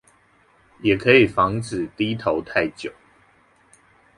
也可以防止低頭太久